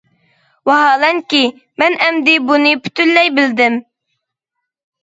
ۋاھالەنكى، مەن ئەمدى بۇنى پۈتۈنلەي بىلدىم.